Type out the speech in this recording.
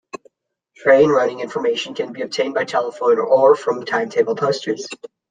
Train running information can be obtained by telephone or from timetable posters.